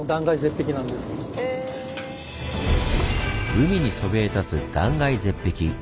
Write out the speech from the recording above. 海にそびえ立つ断崖絶壁。